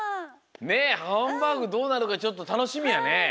ねえハンバーグどうなのかちょっとたのしみやね。